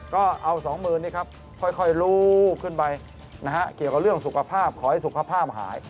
ก็เอา๒๐๐๐นี่ครับค่อยรูปขึ้นไปนะฮะเกี่ยวกับเรื่องสุขภาพขอให้สุขภาพหาย